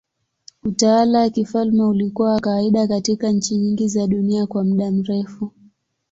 Utawala wa kifalme ulikuwa wa kawaida katika nchi nyingi za dunia kwa muda mrefu.